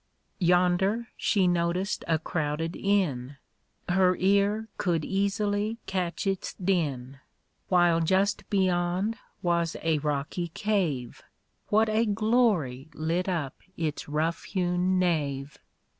Yonder she noticed a crowded inn ‚ÄĒ Her ear could easily catch its din ; While just beyond was a rocky cave ‚ÄĒ What a glory lit up its rough hewn nave